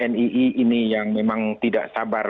nii ini yang memang tidak sabar